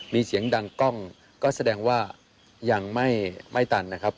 มีเสียงดังกล้องก็แสดงว่ายังไม่ตันนะครับ